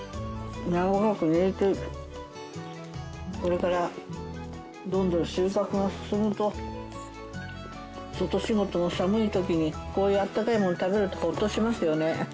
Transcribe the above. これからどんどん収穫が進むと外仕事の寒い時にこういう温かいものを食べるとホッとしますよね。